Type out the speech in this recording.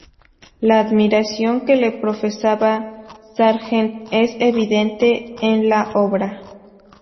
La admiración que le profesaba Sargent es evidente en la obra.